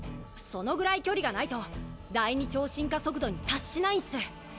そのぐらい距離がないと第２超進化速度に達しないんす。